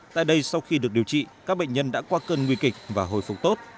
tại đây sau khi được điều trị các bệnh nhân đã qua cơn nguy kịch và hồi phục tốt